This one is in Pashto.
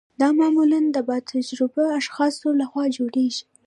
دا معمولا د با تجربه اشخاصو لخوا جوړیږي.